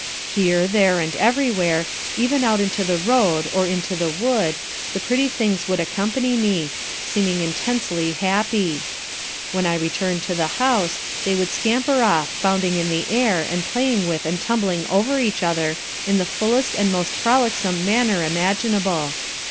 Here, there, and everywhere, even out into the road or into the wood, the pretty things would accompany me, seeming intensely happy. When I returned to the house, they would scamper off, bounding in the air, and playing with and tumbling over each other in the fullest and most frolicsome manner imaginable.